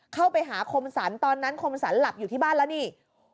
เข้าไปหาคมสรรตอนนั้นคมสรรหลับอยู่ที่บ้านแล้วนี่